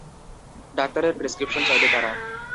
ডাক্তারের প্রেসক্রিপশন চাইবে তারা।